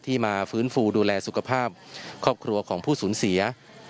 มาฟื้นฟูดูแลสุขภาพครอบครัวของผู้สูญเสีย